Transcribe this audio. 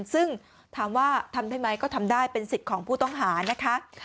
ซึ่งถามว่าทำได้ไหมก็ทำได้เป็นสิทธิ์ของผู้ต้องหานะคะ